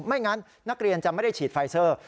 ไม่งั้นนักเรียนจะไม่ได้ฉีดไฟเซอร์